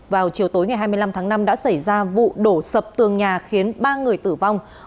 vào chiều tối ngày hai mươi năm tháng năm đã xảy ra vụ đổ sập tường nhà khiến ba người tử vong